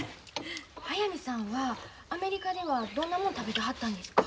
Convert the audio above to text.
速水さんはアメリカではどんなもん食べてはったんですか？